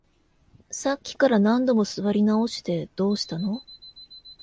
さっきから何度も座り直して、どうしたの？